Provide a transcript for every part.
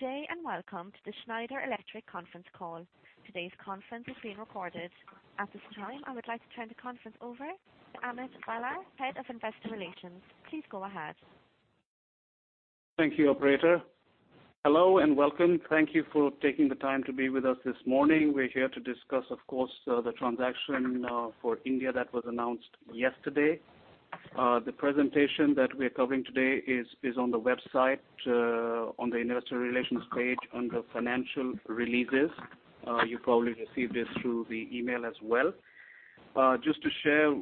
Good day, welcome to the Schneider Electric conference call. Today's conference is being recorded. At this time, I would like to turn the conference over to Amit Bhalla, Head of Investor Relations. Please go ahead. Thank you, operator. Hello, welcome. Thank you for taking the time to be with us this morning. We are here to discuss, of course, the transaction for India that was announced yesterday. The presentation that we are covering today is on the website, on the investor relations page, under financial releases. You probably received this through the email as well. Just to share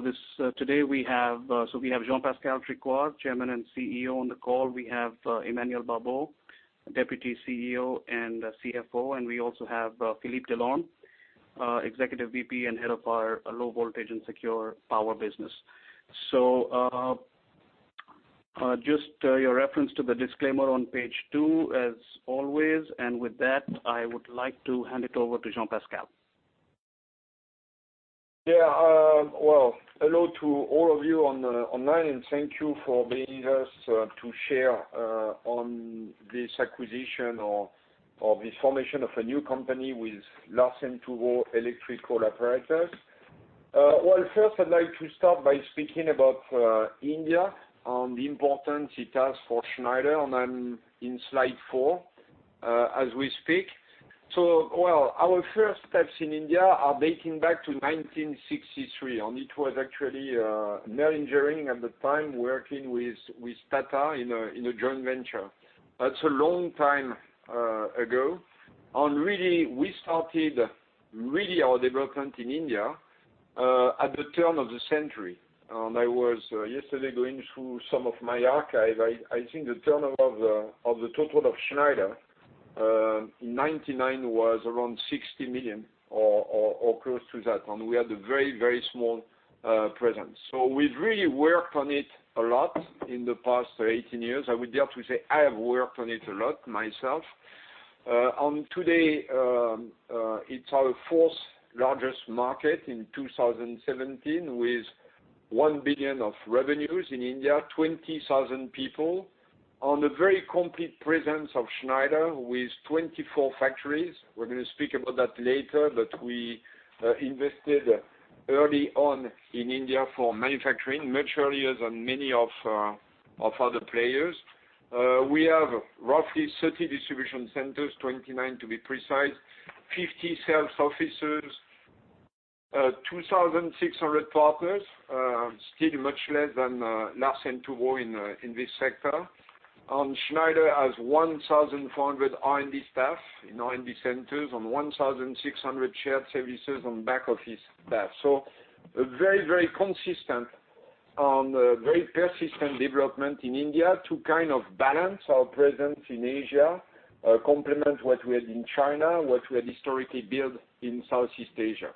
this, today we have Jean-Pascal Tricoire, Chairman and CEO on the call. We have Emmanuel Babeau, Deputy CEO and CFO, and we also have Philippe Delorme, Executive VP and Head of our Low Voltage and Secure Power business. Just your reference to the disclaimer on page two as always, with that, I would like to hand it over to Jean-Pascal. Yeah. Well, hello to all of you online, thank you for being with us to share on this acquisition or this formation of a new company with L&T Electrical & Automation. Well, first I would like to start by speaking about India, on the importance it has for Schneider, I am in slide four as we speak. Well, our first steps in India are dating back to 1963, it was actually Merlin Gerin at the time, working with Tata in a joint venture. That is a long time ago. Really, we started our development in India at the turn of the century. I was yesterday going through some of my archive. I think the turnover of the total of Schneider in 1999 was around 60 million, or close to that, and we had a very, very small presence. We have really worked on it a lot in the past 18 years. I would dare to say I have worked on it a lot myself. Today, it is our fourth largest market in 2017, with 1 billion of revenues in India, 20,000 people, and a very complete presence of Schneider with 24 factories. We are going to speak about that later, but we invested early on in India for manufacturing, much earlier than many of other players. We have roughly 30 distribution centers, 29 to be precise, 50 sales offices, 2,600 partners, still much less than Larsen & Toubro in this sector. Schneider has 1,400 R&D staff in R&D centers, and 1,600 shared services on back-office staff. A very, very consistent and very persistent development in India to kind of balance our presence in Asia, complement what we have in China, what we had historically built in Southeast Asia.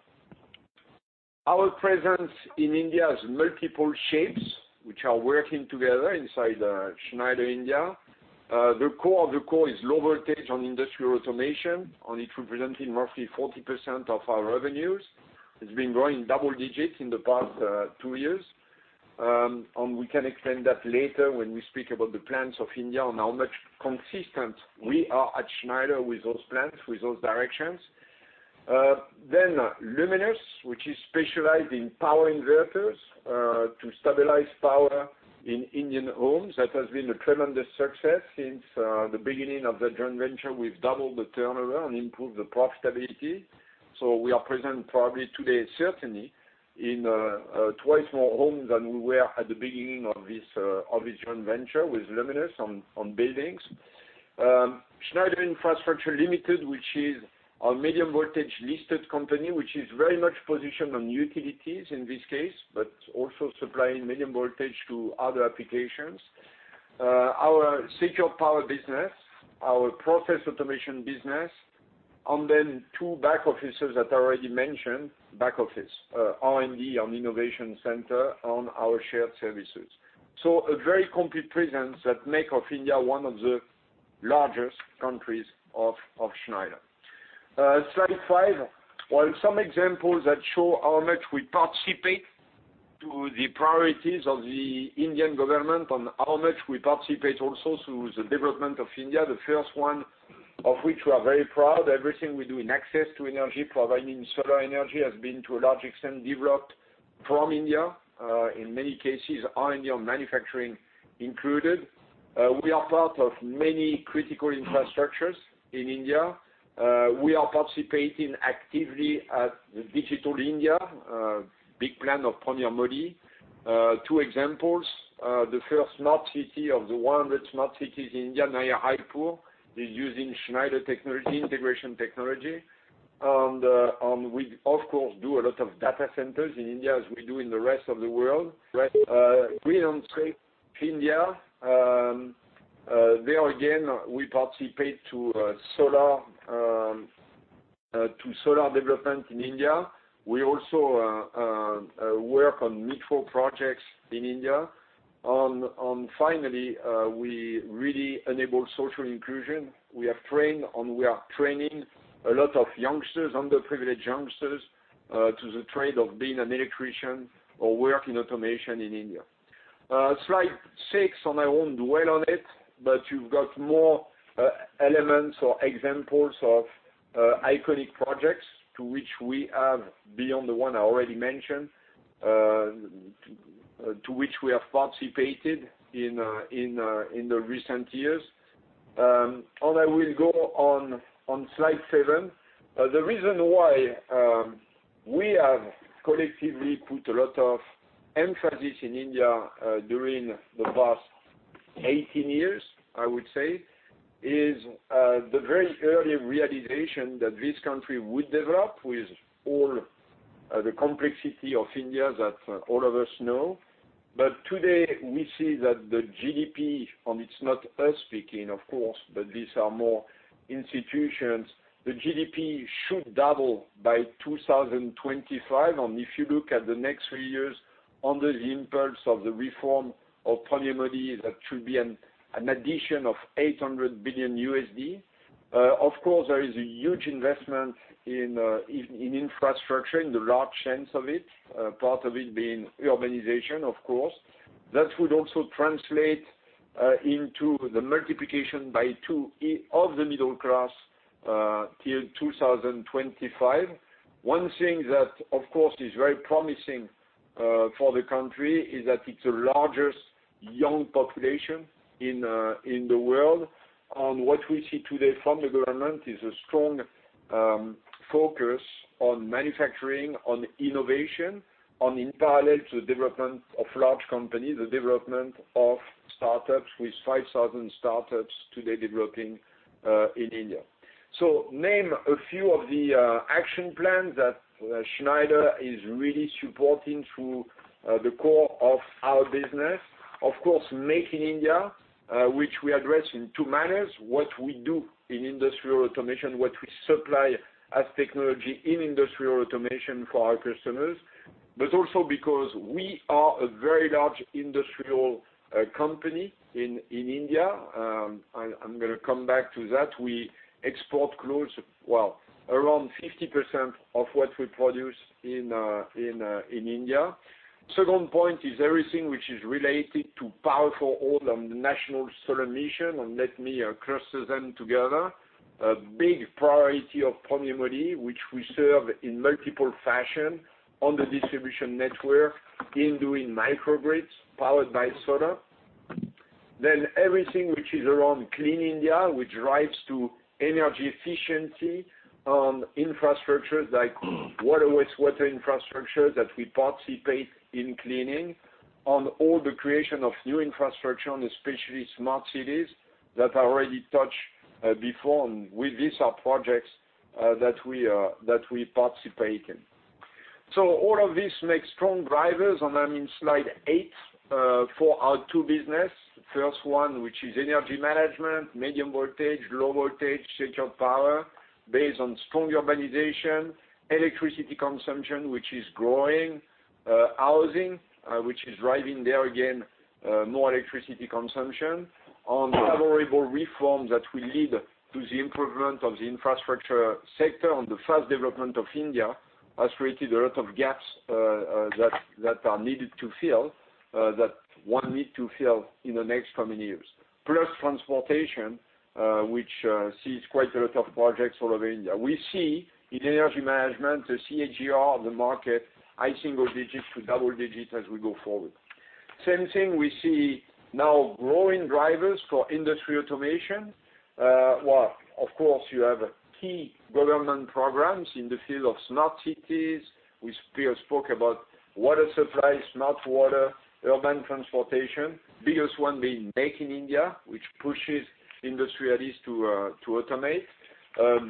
Our presence in India has multiple shapes, which are working together inside Schneider India. The core of the core is Low Voltage and Industrial Automation, it representing roughly 40% of our revenues. It's been growing double digits in the past two years. We can explain that later when we speak about the plans of India and how much consistent we are at Schneider Electric with those plans, with those directions. Luminous, which is specialized in power inverters, to stabilize power in Indian homes. That has been a tremendous success since the beginning of the joint venture. We've doubled the turnover and improved the profitability. We are present probably today, certainly, in twice more homes than we were at the beginning of this joint venture with Luminous and buildings. Schneider Electric Infrastructure Limited, which is our medium voltage listed company, which is very much positioned on utilities in this case, but also supplying medium voltage to other applications. Our secure power business, our process automation business, two back offices that I already mentioned, back office, R&D and innovation center and our shared services. A very complete presence that make of India one of the largest countries of Schneider Electric. Slide five. Well, some examples that show how much we participate to the priorities of the Indian government and how much we participate also to the development of India. The first one, of which we are very proud, everything we do in access to energy, providing solar energy, has been to a large extent developed from India. In many cases, R&D and manufacturing included. We are part of many critical infrastructures in India. We are participating actively at the Digital India, big plan of Prime Minister Modi. Two examples. The first smart city of the 100 smart cities in India, Naya Raipur, is using Schneider Electric integration technology. We, of course, do a lot of data centers in India as we do in the rest of the world. Green Energy for India. There again, we participate to solar development in India. We also work on micro projects in India. Finally, we really enable social inclusion. We are trained, and we are training a lot of youngsters, underprivileged youngsters, to the trade of being an electrician or work in automation in India. Slide six, I won't dwell on it, you've got more elements or examples of iconic projects to which we have, beyond the one I already mentioned, participated in the recent years. I will go on slide seven. The reason why we have collectively put a lot of emphasis in India during the past 18 years, I would say, is the very early realization that this country would develop with all the complexity of India that all of us know. Today we see that the GDP, it's not us speaking, of course, these are more institutions, the GDP should double by 2025. If you look at the next three years under the impulse of the reform of Modi, that should be an addition of $800 billion. Of course, there is a huge investment in infrastructure in the large sense of it, part of it being urbanization, of course. That would also translate into the multiplication by two of the middle class, till 2025. One thing that, of course, is very promising for the country is that it's the largest young population in the world. What we see today from the government is a strong focus on manufacturing, on innovation, on, in parallel to the development of large companies, the development of startups with 5,000 startups today developing in India. Name a few of the action plans that Schneider is really supporting through the core of our business. Of course, Make in India, which we address in two manners, what we do in Industrial Automation, what we supply as technology in Industrial Automation for our customers, but also because we are a very large industrial company in India. I'm going to come back to that. We export close, well, around 50% of what we produce in India. Second point is everything which is related to Power for All and the national solar mission. Let me cluster them together. A big priority of Prime Minister Modi, which we serve in multiple fashion on the distribution network, in doing microgrids powered by solar. Everything which is around clean India, which drives to energy efficiency on infrastructure like water, wastewater infrastructure that we participate in cleaning, on all the creation of new infrastructure and especially Smart Cities that I already touched before. These are projects that we participate in. All of this makes strong drivers, and I'm in slide eight, for our two business. First one, which is energy management, medium voltage, low voltage, secure power based on strong urbanization, electricity consumption, which is growing, housing, which is driving there again, more electricity consumption. On favorable reform that will lead to the improvement of the infrastructure sector. The fast development of India has created a lot of gaps that are needed to fill, that one need to fill in the next coming years. Transportation, which sees quite a lot of projects all over India. We see in energy management, the CAGR of the market, high single digits to double digits as we go forward. Same thing, we see now growing drivers for Industrial Automation. Of course, you have key government programs in the field of Smart Cities. We spoke about water supply, smart water, urban transportation. Biggest one being Make in India, which pushes industrialists to automate.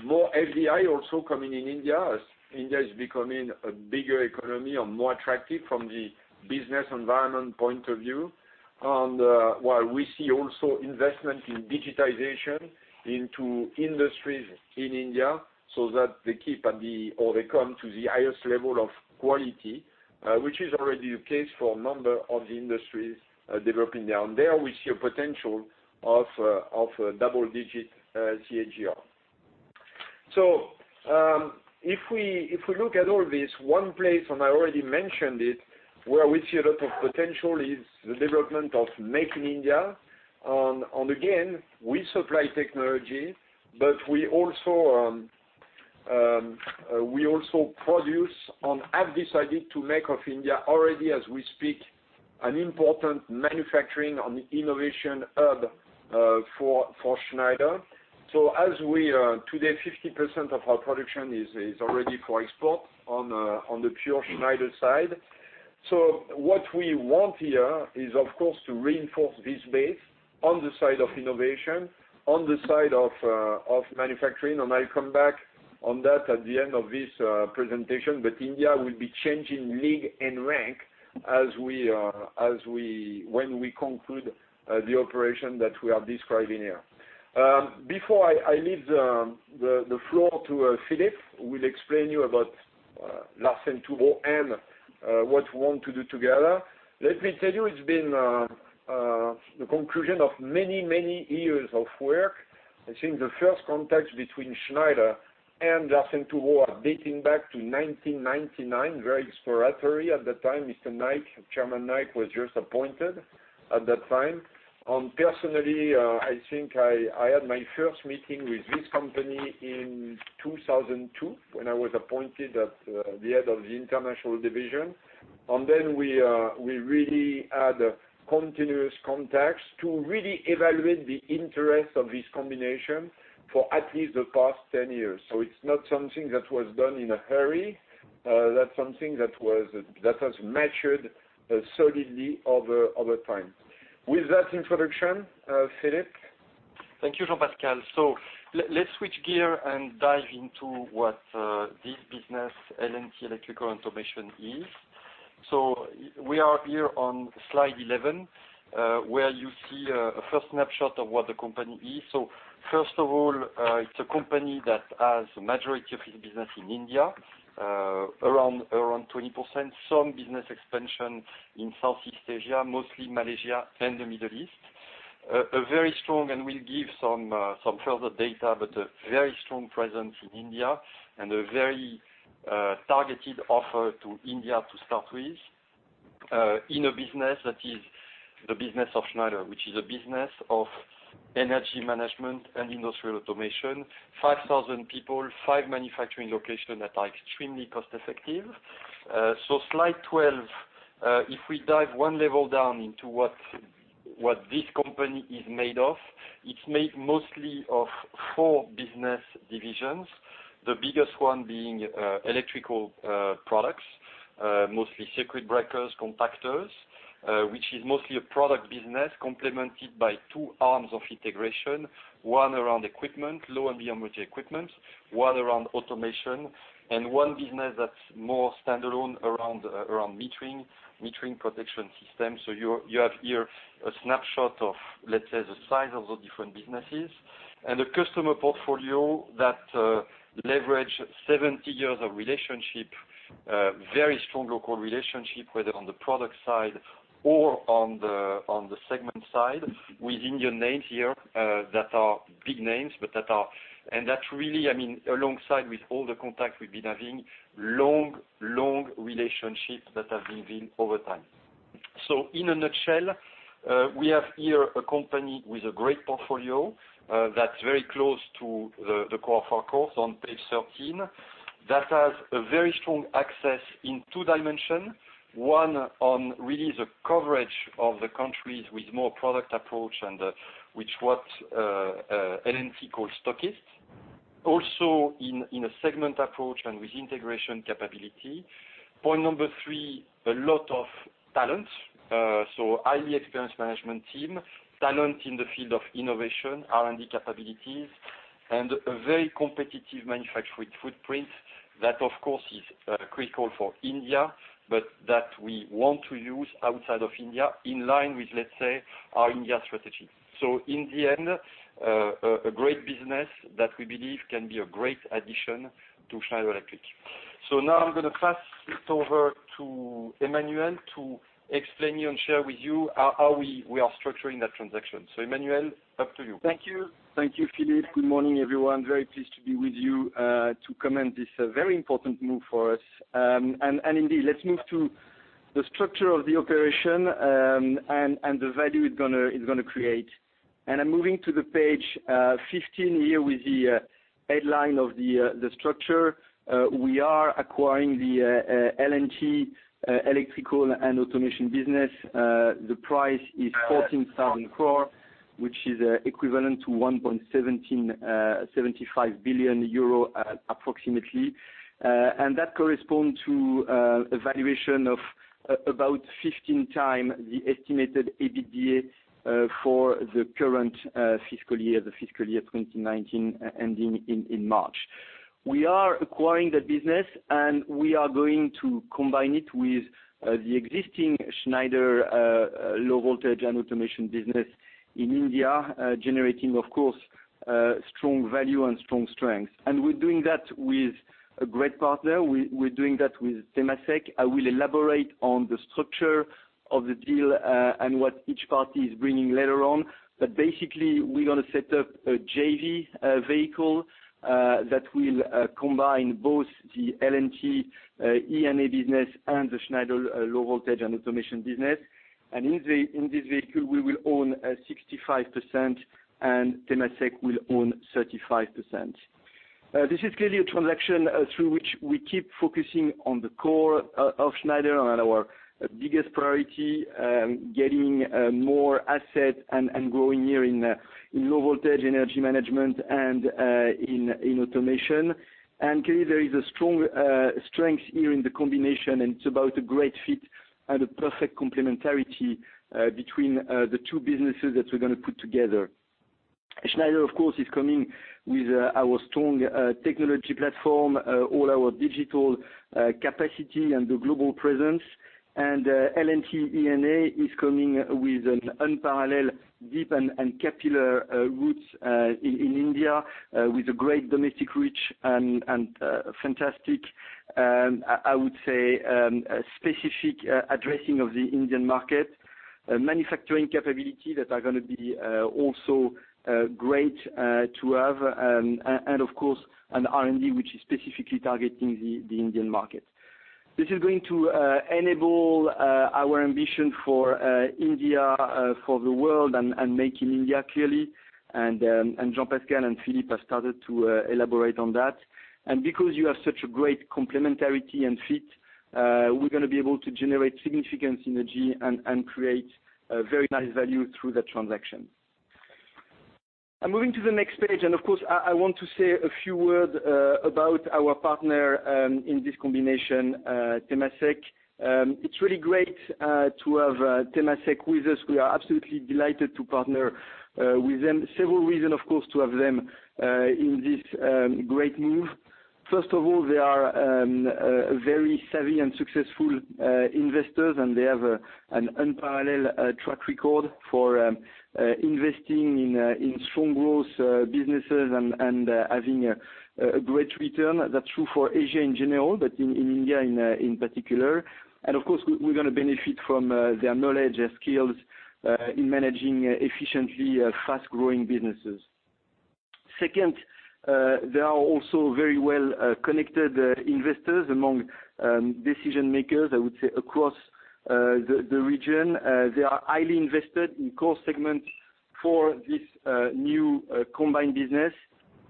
More FDI also coming in India, as India is becoming a bigger economy and more attractive from the business environment point of view. While we see also investment in digitization into industries in India, so that they keep at the highest level of quality, which is already the case for a number of the industries developing there. There we see a potential of double-digit CAGR. If we look at all this, one place, and I already mentioned it, where we see a lot of potential, is the development of Make in India. Again, we supply technology, but we also produce and have decided to make of India already as we speak, an important manufacturing and innovation hub for Schneider. As we are today, 50% of our production is already for export on the pure Schneider side. What we want here is, of course, to reinforce this base on the side of innovation, on the side of manufacturing, and I'll come back on that at the end of this presentation. India will be changing league and rank when we conclude the operation that we are describing here. Before I leave the floor to Philippe, who will explain you about Larsen & Toubro and what we want to do together, let me tell you it's been The conclusion of many, many years of work. I think the first contact between Schneider and L&T are dating back to 1999, very exploratory at that time. Mr. Naik, Chairman Naik was just appointed at that time. Personally, I think I had my first meeting with this company in 2002 when I was appointed at the head of the international division. Then we really had continuous contacts to really evaluate the interest of this combination for at least the past 10 years. It's not something that was done in a hurry. That's something that has matured solidly over time. With that introduction, Philippe. Thank you, Jean-Pascal. Let's switch gear and dive into what this business, L&T Electrical & Automation, is. We are here on slide 11, where you see a first snapshot of what the company is. First of all, it's a company that has a majority of its business in India, around 20%. Some business expansion in Southeast Asia, mostly Malaysia and the Middle East. A very strong, and we'll give some further data, but a very strong presence in India and a very targeted offer to India to start with, in a business that is the business of Schneider, which is a business of energy management and industrial automation. 5,000 people, five manufacturing locations that are extremely cost-effective. Slide 12. If we dive one level down into what this company is made of, it's made mostly of four business divisions, the biggest one being electrical products, mostly circuit breakers, contactors, which is mostly a product business complemented by two arms of integration, one around equipment, low and medium voltage equipment, one around automation and one business that's more standalone around metering protection system. You have here a snapshot of the size of the different businesses and a customer portfolio that leverage 70 years of relationship, very strong local relationship, whether on the product side or on the segment side with Indian names here, that are big names. That really, alongside with all the contacts we've been having, long, long relationships that have been built over time. In a nutshell, we have here a company with a great portfolio that is very close to the core of our core on page 13, that has a very strong access in two dimensions, one on really the coverage of the countries with more product approach and which what L&T calls stockists. Also in a segment approach and with integration capability. Point number three, a lot of talent, so highly experienced management team, talent in the field of innovation, R&D capabilities, and a very competitive manufacturing footprint. That, of course, is critical for India, but that we want to use outside of India in line with our India strategy. In the end, a great business that we believe can be a great addition to Schneider Electric. Now I am going to pass it over to Emmanuel to explain to you and share with you how we are structuring that transaction. Emmanuel, up to you. Thank you, Philippe. Good morning, everyone. Very pleased to be with you to comment this very important move for us. Indeed, let us move to the structure of the operation, and the value it is going to create. I am moving to the page 15 here with the headline of the structure. We are acquiring the L&T Electrical & Automation business. The price is 14,000 crore, which is equivalent to 1.75 billion euro approximately. That corresponds to a valuation of about 15x the estimated EBITDA for the current fiscal year, the FY 2019, ending in March. We are acquiring that business, and we are going to combine it with the existing Schneider Low Voltage and Industrial Automation business in India, generating, of course, strong value and strong strength. We are doing that with a great partner. We are doing that with Temasek. I will elaborate on the structure of the deal and what each party is bringing later on. Basically, we are going to set up a JV vehicle that will combine both the L&T E&A business and the Schneider Low Voltage and Industrial Automation business. In this vehicle, we will own 65%, and Temasek will own 35%. This is clearly a transaction through which we keep focusing on the core of Schneider and our biggest priority, getting more asset and growing here in low voltage energy management and in automation. Clearly, there is a strong strength here in the combination, and it is about a great fit and a perfect complementarity between the two businesses that we are going to put together. Schneider, of course, is coming with our strong technology platform, all our digital capacity and the global presence, and L&T E&A is coming with an unparalleled deep and capillary roots in India with a great domestic reach and fantastic, I would say, a specific addressing of the Indian market, manufacturing capability that are going to be also great to have, and of course, an R&D, which is specifically targeting the Indian market. This is going to enable our ambition for India, for the world, and Make in India clearly, and Jean-Pascal and Philippe have started to elaborate on that. Because you have such a great complementarity and fit, we're going to be able to generate significant synergy and create very nice value through that transaction. Moving to the next page, of course, I want to say a few words about our partner in this combination, Temasek. It's really great to have Temasek with us. We are absolutely delighted to partner with them. Several reasons, of course, to have them in this great move. First of all, they are very savvy and successful investors, and they have an unparalleled track record for investing in strong growth businesses and having a great return. That's true for Asia in general, but in India in particular. Of course, we're going to benefit from their knowledge and skills in managing efficiently fast-growing businesses. Second, they are also very well-connected investors among decision-makers, I would say, across the region. They are highly invested in core segments for this new combined business.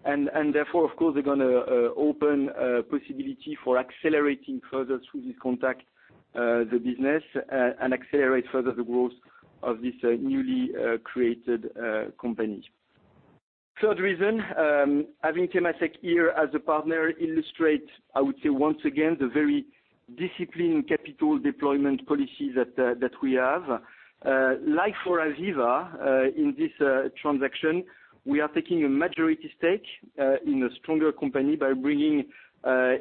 Therefore, of course, they're going to open a possibility for accelerating further through this contact the business and accelerate further the growth of this newly created company. Third reason, having Temasek here as a partner illustrates, I would say, once again, the very disciplined capital deployment policy that we have. Like for AVEVA in this transaction, we are taking a majority stake in a stronger company by bringing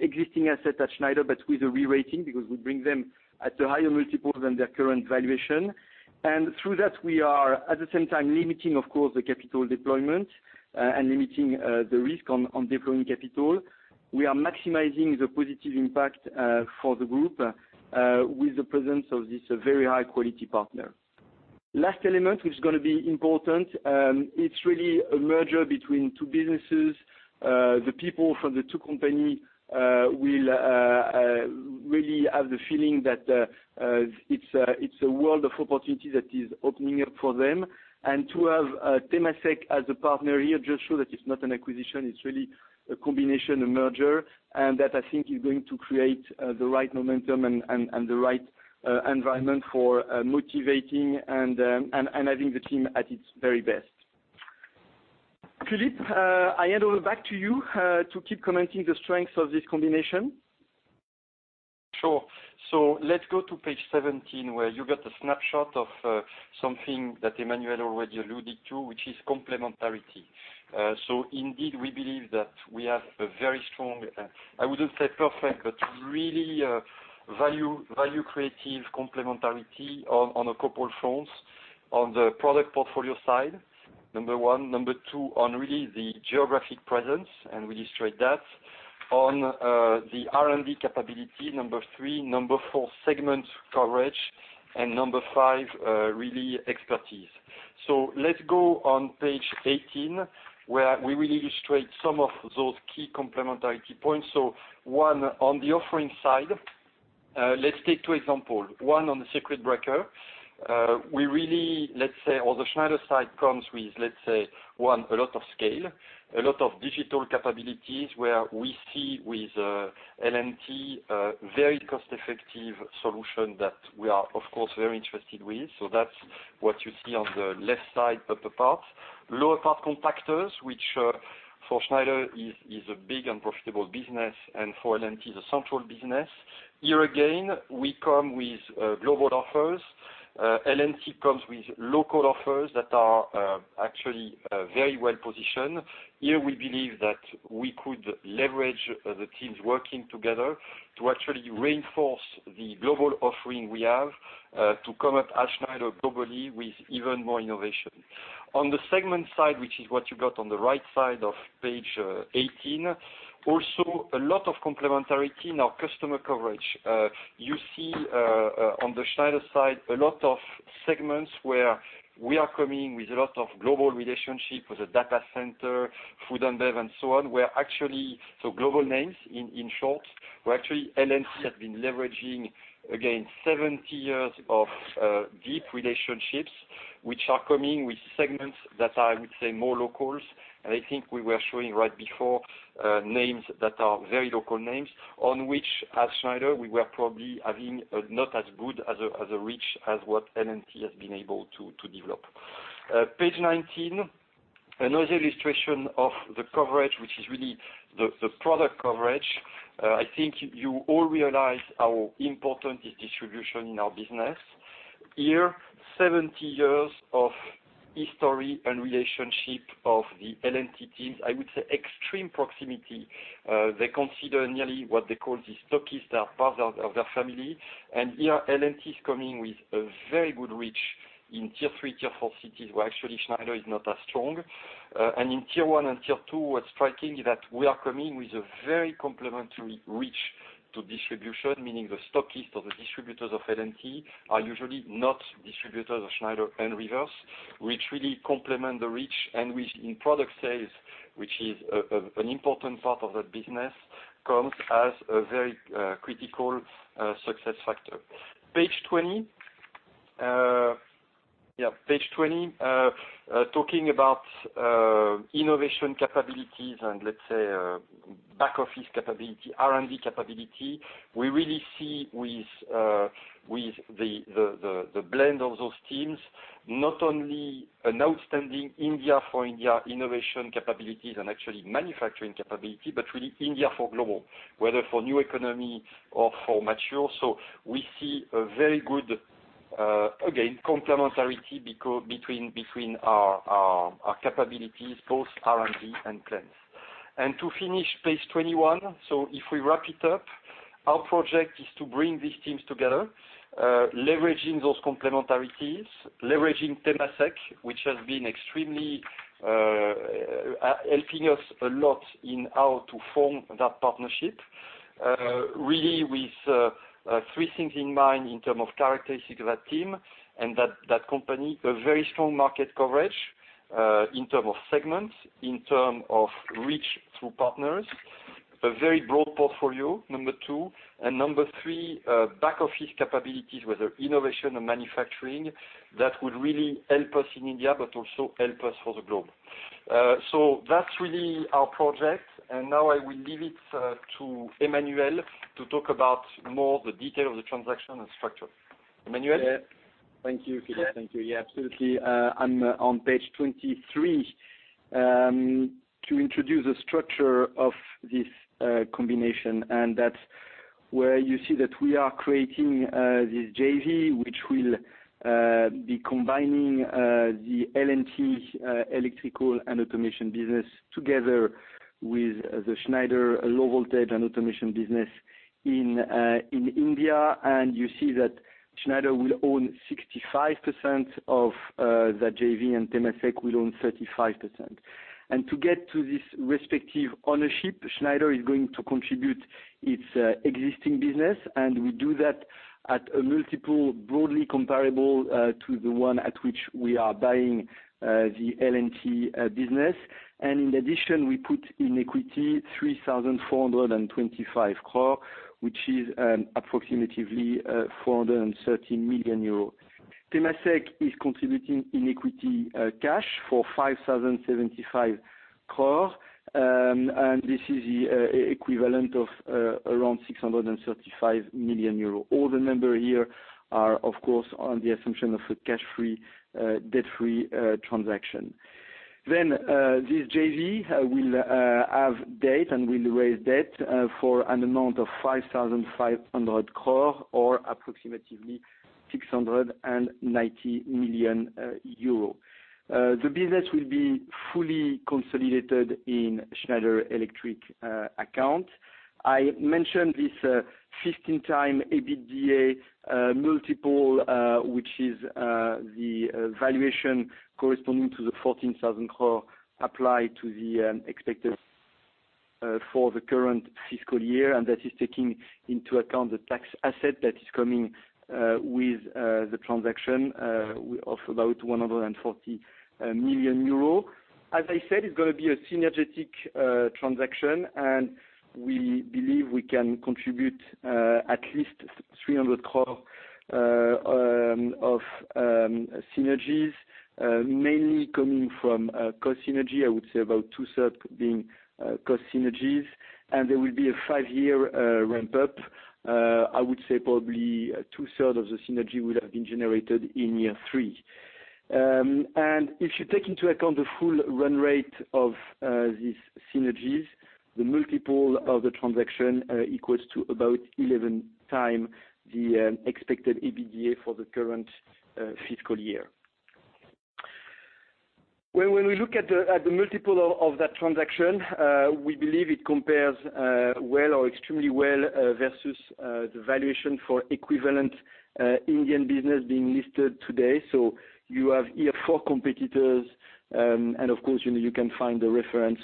existing assets at Schneider, but with a re-rating because we bring them at a higher multiple than their current valuation. Through that, we are, at the same time, limiting, of course, the capital deployment and limiting the risk on deploying capital. We are maximizing the positive impact for the group, with the presence of this very high-quality partner. Last element, which is going to be important, it's really a merger between two businesses. The people from the two companies will really have the feeling that it's a world of opportunity that is opening up for them. To have Temasek as a partner here just shows that it's not an acquisition, it's really a combination, a merger, and that I think is going to create the right momentum and the right environment for motivating and having the team at its very best. Philippe, I hand over back to you to keep commenting the strengths of this combination. Sure. Let's go to page 17, where you got a snapshot of something that Emmanuel already alluded to, which is complementarity. Indeed, we believe that we have a very strong, I wouldn't say perfect, but really value-creative complementarity on a couple fronts. On the product portfolio side, number one. Number two on really the geographic presence, and we illustrate that on the R&D capability, number three. Number four, segment coverage. Number five, really expertise. Let's go on page 18, where we will illustrate some of those key complementarity points. One, on the offering side, let's take two example. One on the circuit breaker. The Schneider side comes with, let's say, one, a lot of scale, a lot of digital capabilities where we see with L&T a very cost-effective solution that we are, of course, very interested with. That's what you see on the left side upper part. Lower part contactors, which for Schneider is a big and profitable business, and for L&T is a central business. Here again, we come with global offers. L&T comes with local offers that are actually very well-positioned. Here we believe that we could leverage the teams working together to actually reinforce the global offering we have to come at Schneider globally with even more innovation. On the segment side, which is what you got on the right side of page 18, also a lot of complementarity in our customer coverage. You see on the Schneider side a lot of segments where we are coming with a lot of global relationship with the data center, Food and Bev, and so on. Global names, in short, where actually L&T has been leveraging, again, 70 years of deep relationships, which are coming with segments that are, I would say, more locals. I think we were showing right before names that are very local names, on which at Schneider, we were probably having not as good as a reach as what L&T has been able to develop. Page 19, another illustration of the coverage, which is really the product coverage. I think you all realize how important is distribution in our business. Here, 70 years of history and relationship of the L&T teams, I would say extreme proximity. They consider nearly what they call the stockists are part of their family. Here, L&T is coming with a very good reach in tier 3, tier 4 cities where actually Schneider is not as strong. In tier 1 and tier 2, what's striking is that we are coming with a very complementary reach to distribution, meaning the stockists or the distributors of L&T are usually not distributors of Schneider and reverse, which really complement the reach and which in product sales, which is an important part of that business, counts as a very critical success factor. Page 20. Talking about innovation capabilities and, let's say, back office capability, R&D capability. We really see with the blend of those teams, not only an outstanding India for India innovation capabilities and actually manufacturing capability, but really India for global, whether for new economy or for mature. We see a very good, again, complementarity between our capabilities, both R&D and plants. To finish, page 21. If we wrap it up, our project is to bring these teams together, leveraging those complementarities, leveraging Temasek, which has been extremely helping us a lot in how to form that partnership. Really with three things in mind in terms of characteristics of that team and that company, a very strong market coverage, in terms of segments, in terms of reach through partners, a very broad portfolio, number 2, and number 3, back office capabilities, whether innovation or manufacturing, that would really help us in India but also help us for the globe. That's really our project, and now I will leave it to Emmanuel to talk about more the detail of the transaction and structure. Emmanuel? Thank you, Philippe. Thank you. Absolutely. I'm on page 23, to introduce the structure of this combination, and that's where you see that we are creating this JV, which will be combining the L&T Electrical & Automation business together with the Schneider Low Voltage and Industrial Automation business in India. You see that Schneider will own 65% of the JV and Temasek will own 35%. To get to this respective ownership, Schneider is going to contribute its existing business, and we do that at a multiple broadly comparable to the one at which we are buying the L&T business. In addition, we put in equity 3,425 crore, which is approximately 430 million euros. Temasek is contributing in equity cash for 5,075 crore, and this is the equivalent of around 635 million euros. All the numbers here are, of course, on the assumption of a cash-free, debt-free transaction. This JV will have debt and will raise debt for an amount of 5,500 crore or approximately 690 million euro. The business will be fully consolidated in Schneider Electric accounts. I mentioned this 15x EBITDA multiple, which is the valuation corresponding to the 14,000 crore applied to the expected for the current fiscal year, and that is taking into account the tax asset that is coming with the transaction of about 140 million euro. As I said, it's going to be a synergetic transaction, we believe we can contribute at least 300 crore of synergies, mainly coming from cost synergy, I would say about two-thirds being cost synergies. There will be a 5-year ramp-up. I would say probably two-thirds of the synergy will have been generated in year 3. If you take into account the full run rate of these synergies, the multiple of the transaction equals to about 11x the expected EBITDA for the current fiscal year. When we look at the multiple of that transaction, we believe it compares well or extremely well versus the valuation for equivalent Indian business being listed today. You have here four competitors, of course, you can find the reference,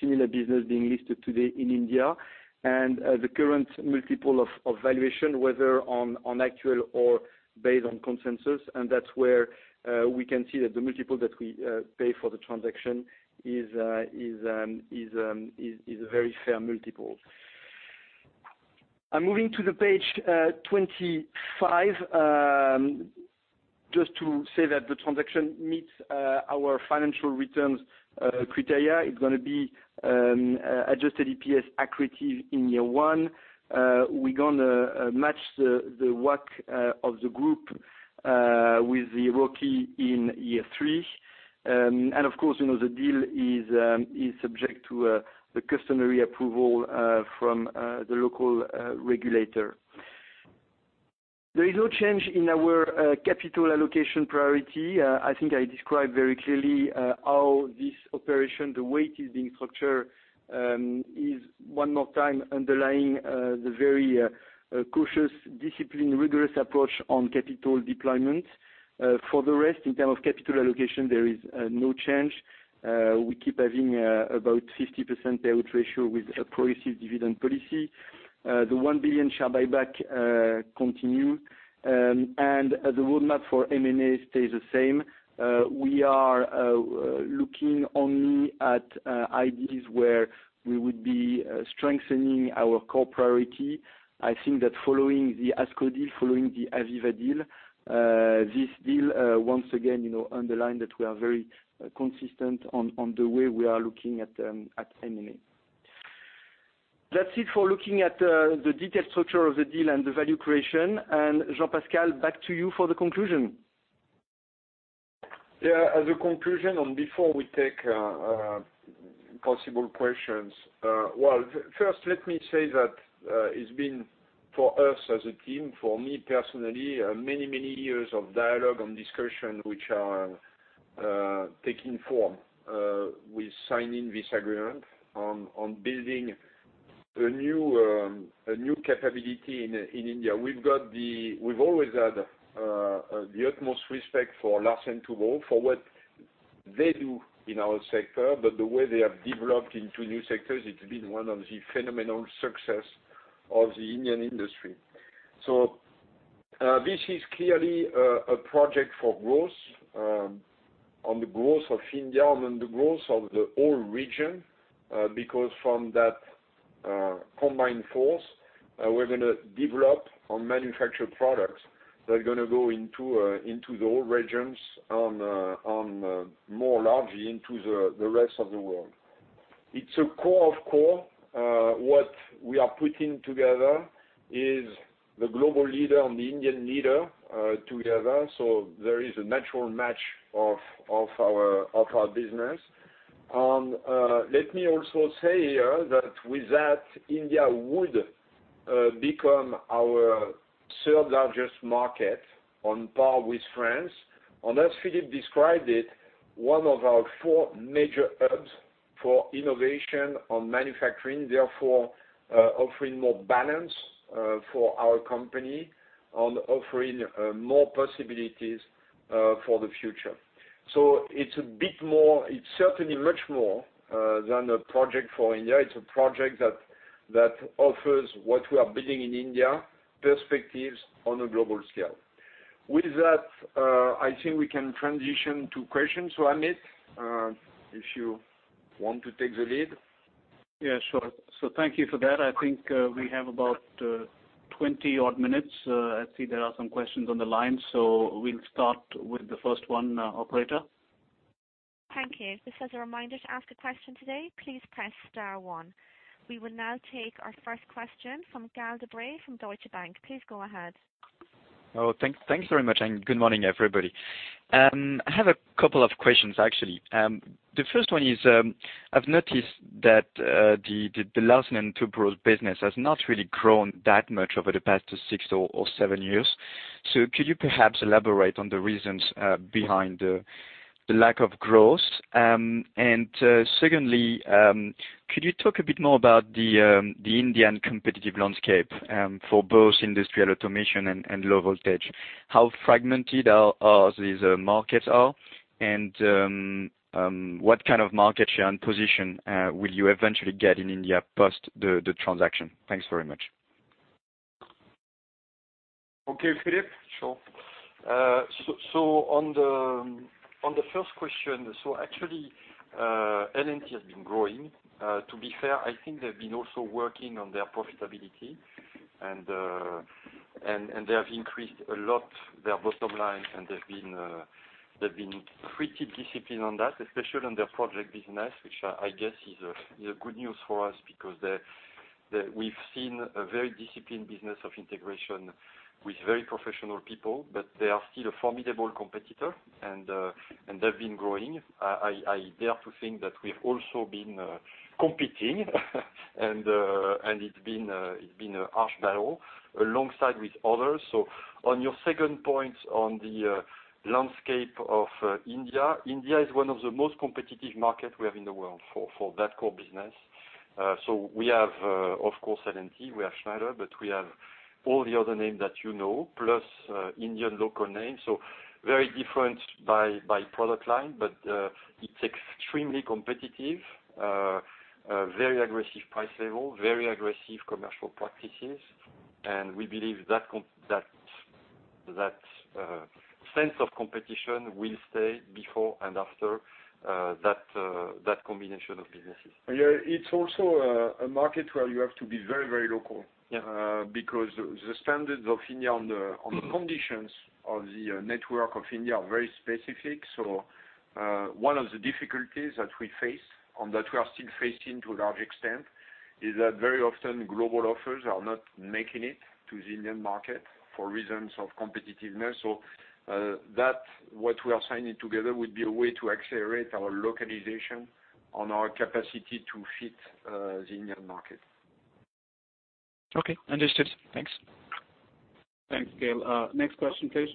similar business being listed today in India. The current multiple of valuation, whether on actual or based on consensus, and that's where we can see that the multiple that we pay for the transaction is a very fair multiple. I'm moving to the page 25, just to say that the transaction meets our financial returns criteria. It's going to be adjusted EPS accretive in year 1. We're going to match the WACC of the group with the ROCE in year three. Of course, the deal is subject to the customary approval from the local regulator. There is no change in our capital allocation priority. I think I described very clearly how this operation, the way it is being structured, is one more time underlying the very cautious, disciplined, rigorous approach on capital deployment. For the rest, in terms of capital allocation, there is no change. We keep having about 50% payout ratio with a progressive dividend policy. The 1 billion share buyback continues, and the roadmap for M&A stays the same. We are looking only at ideas where we would be strengthening our core priority. I think that following the ASCO deal, following the AVEVA deal, this deal, once again, underline that we are very consistent in the way we are looking at M&A. That's it for looking at the detailed structure of the deal and the value creation. Jean-Pascal, back to you for the conclusion. As a conclusion, before we take possible questions. First, let me say that it's been, for us as a team, for me personally, many years of dialogue and discussion, which are taking form with signing this agreement on building a new capability in India. We've always had the utmost respect for Larsen & Toubro for what they do in our sector. The way they have developed into new sectors, it's been one of the phenomenal success of the Indian industry. This is clearly a project for growth, on the growth of India and the growth of the whole region. From that combined force, we're going to develop and manufacture products that are going to go into the whole regions and more largely into the rest of the world. It's a core of core. What we are putting together is the global leader and the Indian leader together. There is a natural match of our business. Let me also say here that with that, India would become our third-largest market, on par with France. As Philippe described it, one of our four major hubs for innovation on manufacturing, therefore offering more balance for our company and offering more possibilities for the future. It's certainly much more than a project for India. It's a project that offers what we are building in India, perspectives on a global scale. With that, I think we can transition to questions. Amit, if you want to take the lead. Yeah, sure. Thank you for that. I think we have about 20-odd minutes. I see there are some questions on the line, so we'll start with the first one. Operator? Thank you. Just as a reminder, to ask a question today, please press star one. We will now take our first question from Gaël de Bray from Deutsche Bank. Please go ahead. Thanks very much. Good morning, everybody. I have a couple of questions, actually. The first one is, I've noticed that the Larsen & Toubro business has not really grown that much over the past six or seven years. Could you perhaps elaborate on the reasons behind the lack of growth? Secondly, could you talk a bit more about the Indian competitive landscape for both industrial automation and low voltage? How fragmented these markets are, and what kind of market share and position will you eventually get in India post the transaction? Thanks very much. Okay, Philippe? Sure. On the first question, actually, L&T has been growing. To be fair, I think they've been also working on their profitability, and they have increased a lot their bottom line, and they've been pretty disciplined on that, especially on their project business, which I guess is a good news for us, because we've seen a very disciplined business of integration with very professional people. They are still a formidable competitor, and they've been growing. I dare to think that we've also been competing and it's been a harsh battle alongside with others. On your second point on the landscape of India is one of the most competitive market we have in the world for that core business. We have, of course, L&T, we have Schneider, but we have all the other names that you know, plus Indian local names. Very different by product line, but it's extremely competitive. Very aggressive price level, very aggressive commercial practices. We believe that sense of competition will stay before and after that combination of businesses. It's also a market where you have to be very local. Yeah. The standards of India on the conditions of the network of India are very specific. One of the difficulties that we face, and that we are still facing to a large extent, is that very often global offers are not making it to the Indian market for reasons of competitiveness. That, what we are signing together, would be a way to accelerate our localization on our capacity to fit the Indian market. Okay, understood. Thanks. Thanks, Gaël. Next question, please.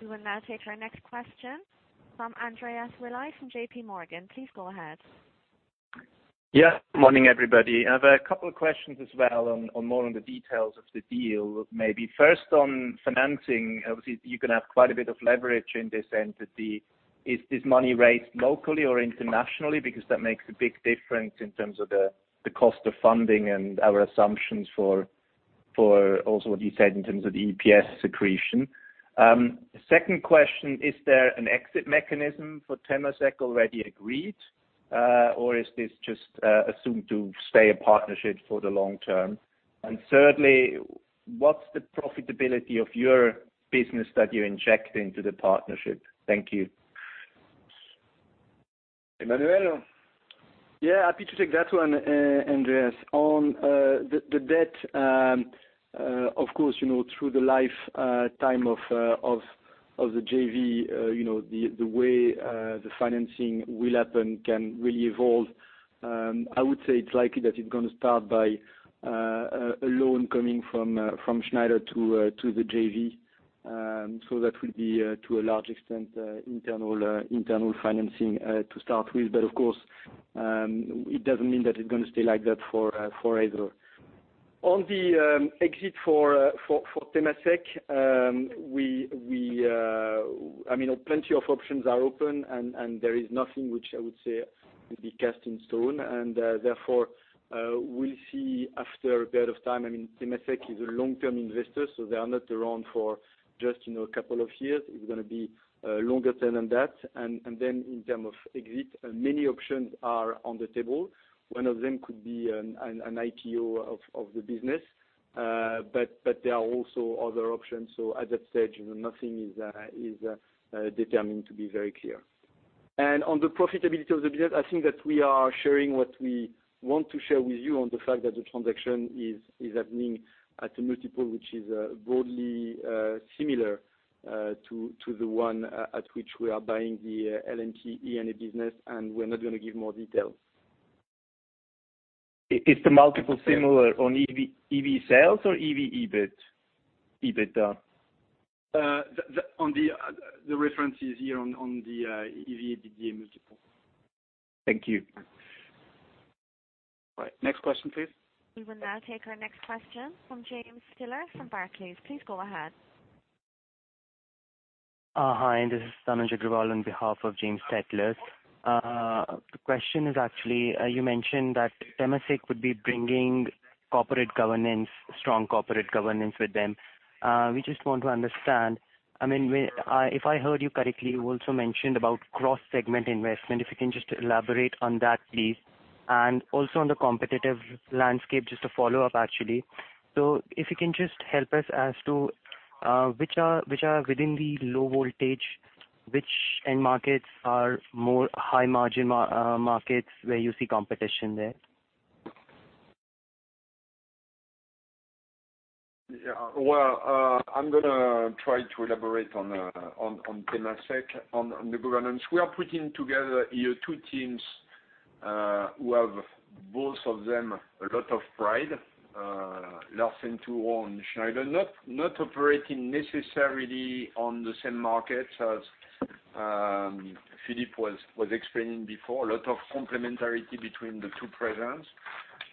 We will now take our next question from Andreas Reili from JP Morgan. Please go ahead. Morning, everybody. I have a couple of questions as well on more on the details of the deal. Maybe first on financing, obviously, you can have quite a bit of leverage in this entity. Is this money raised locally or internationally? Because that makes a big difference in terms of the cost of funding and our assumptions for also what you said in terms of EPS accretion. Second question, is there an exit mechanism for Temasek already agreed, or is this just assumed to stay a partnership for the long term? Thirdly, what's the profitability of your business that you inject into the partnership? Thank you. Emmanuel? Yeah, happy to take that one, Andreas. On the debt, of course, through the lifetime of the JV, the way the financing will happen can really evolve. I would say it's likely that it's going to start by a loan coming from Schneider to the JV. That will be to a large extent, internal financing to start with. Of course, it doesn't mean that it's going to stay like that forever. On the exit for Temasek, plenty of options are open, and there is nothing which I would say will be cast in stone. Therefore, we'll see after a period of time. Temasek is a long-term investor, so they are not around for just a couple of years. It's going to be longer than that. Then in term of exit, many options are on the table. One of them could be an IPO of the business, there are also other options. At that stage, nothing is determined to be very clear. On the profitability of the business, I think that we are sharing what we want to share with you on the fact that the transaction is happening at a multiple, which is broadly similar to the one at which we are buying the L&T E&A business, and we're not going to give more details. Is the multiple similar on EV sales or EV EBIT? The reference is here on the EV EBITDA multiple. Thank you. All right. Next question, please. We will now take our next question from James Stettler from Barclays. Please go ahead. Hi, this is Tanuj Agrawal on behalf of James Stettler. The question is actually, you mentioned that Temasek would be bringing strong corporate governance with them. We just want to understand. If I heard you correctly, you also mentioned about cross-segment investment. If you can just elaborate on that, please. Also on the competitive landscape, just to follow up, actually. If you can just help us as to which are within the low voltage, which end markets are more high margin markets where you see competition there? Well, I'm going to try to elaborate on Temasek. On the governance, we are putting together here two teams, who have both of them, a lot of pride. Larsen & Toubro and Schneider, not operating necessarily on the same markets as Philippe was explaining before. A lot of complementarity between the two presidents.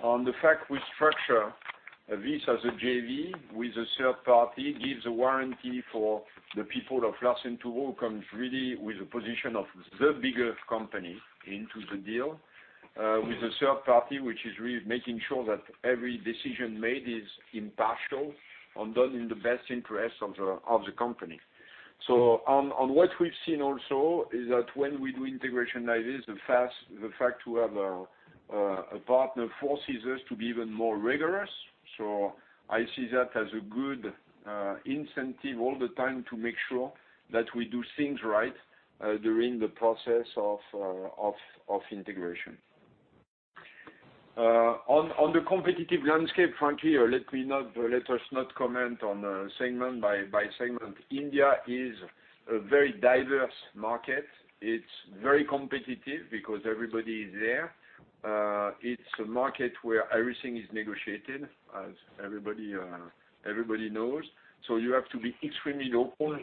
On the fact we structure this as a JV with a third party gives a warranty for the people of Larsen & Toubro, who comes really with a position of the biggest company into the deal, with a third party, which is really making sure that every decision made is impartial and done in the best interest of the company. On what we've seen also is that when we do integration like this, the fact we have a partner forces us to be even more rigorous. I see that as a good incentive all the time to make sure that we do things right during the process of integration. On the competitive landscape, frankly, let us not comment on segment by segment. India is a very diverse market. It's very competitive because everybody is there. It's a market where everything is negotiated, as everybody knows. You have to be extremely local,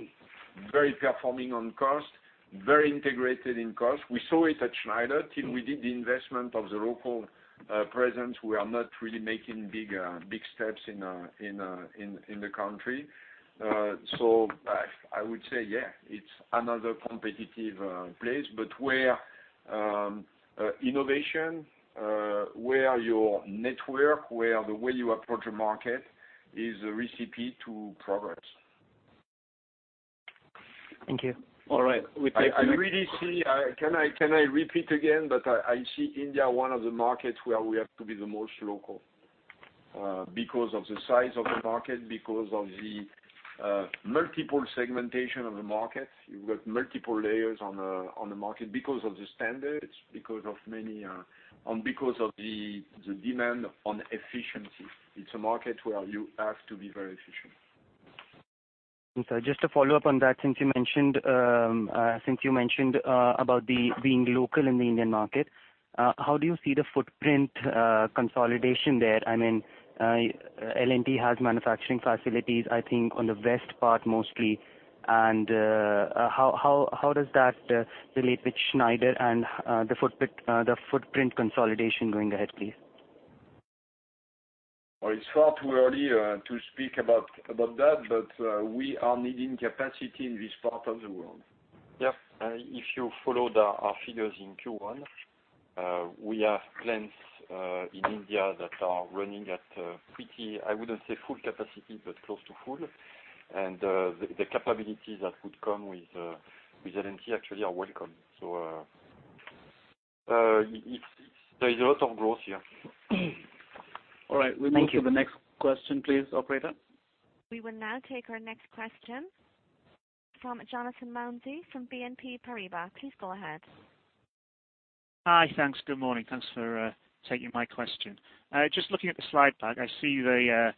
very performing on cost, very integrated in cost. We saw it at Schneider, till we did the investment of the local presence, we are not really making big steps in the country. I would say, yeah, it's another competitive place, but where innovation, where your network, where the way you approach the market is a recipe to progress. Thank you. All right. Can I repeat again, that I see India, one of the markets where we have to be the most local. Because of the size of the market, because of the multiple segmentation of the market. You've got multiple layers on the market because of the standards, because of the demand on efficiency. It's a market where you have to be very efficient. Just to follow up on that, since you mentioned about being local in the Indian market, how do you see the footprint consolidation there? L&T has manufacturing facilities, I think, on the west part mostly. How does that relate with Schneider and the footprint consolidation going ahead, please? Well, it's far too early to speak about that, but we are needing capacity in this part of the world. Yes. If you follow our figures in Q1, we have plants in India that are running at pretty, I wouldn't say full capacity, but close to full, and the capabilities that would come with L&T actually are welcome. There is a lot of growth here. Thank you. All right. We move to the next question please, operator. We will now take our next question from Jonathan Mounsey from BNP Paribas. Please go ahead. Hi, thanks. Good morning. Thanks for taking my question. Just looking at the slide pack, I see the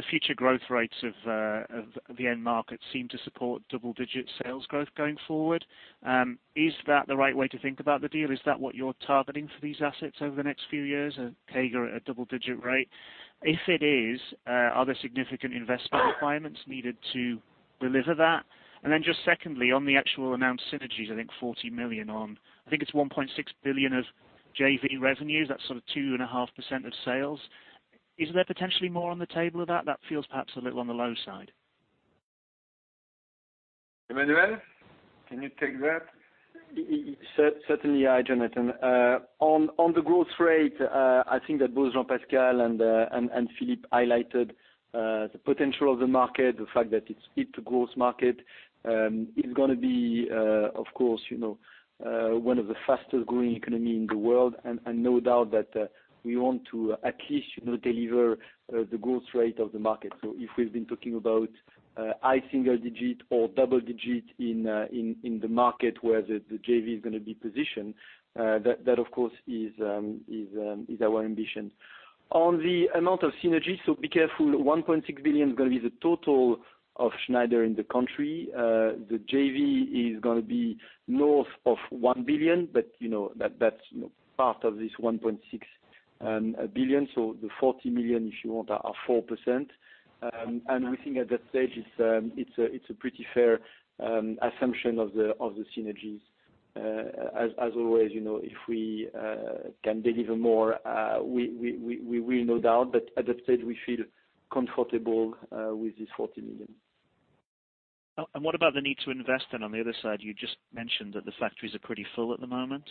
future growth rates of the end market seem to support double-digit sales growth going forward. Is that the right way to think about the deal? Is that what you're targeting for these assets over the next few years, a CAGR at a double-digit rate? If it is, are there significant investment requirements needed to deliver that? Secondly, on the actual announced synergies, I think 40 million on, I think it's 1.6 billion of JV revenues. That's sort of 2.5% of sales. Is there potentially more on the table of that? That feels perhaps a little on the low side. Emmanuel, can you take that? Certainly, Jonathan. On the growth rate, I think that both Jean-Pascal and Philippe highlighted the potential of the market, the fact that it is a growth market. It is going to be, of course, one of the fastest-growing economies in the world, no doubt that we want to at least deliver the growth rate of the market. If we have been talking about high single digit or double digit in the market where the JV is going to be positioned, that of course, is our ambition. On the amount of synergy, be careful, 1.6 billion is going to be the total of Schneider in the country. The JV is going to be north of 1 billion, but that is part of this 1.6 billion. The 40 million, if you want, are 4%. We think at that stage it is a pretty fair assumption of the synergies. As always, if we can deliver more, we will no doubt, at that stage, we feel comfortable with this 40 million. What about the need to invest then on the other side? You just mentioned that the factories are pretty full at the moment.